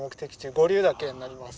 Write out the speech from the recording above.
五竜岳になります。